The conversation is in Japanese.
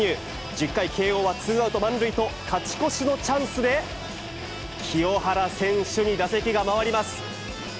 １０回、慶応はツーアウト満塁と勝ち越しのチャンスで、清原選手に打席が回ります。